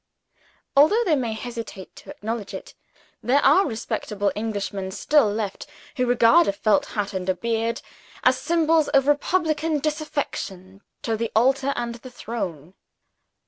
Although they may hesitate to acknowledge it, there are respectable Englishmen still left, who regard a felt hat and a beard as symbols of republican disaffection to the altar and the throne.